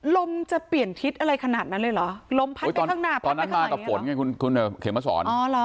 ลมจะเปลี่ยนทิศอะไรขนาดนั้นเลยเหรอลมพัดไปข้างหน้าไปตอนนั้นมากับฝนไงคุณคุณเขมสอน